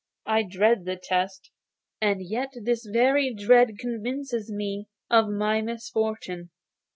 I dread the test, and yet this very dread convinces me of my misfortune.